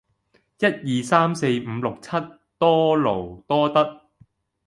一二三四五六七，多勞多得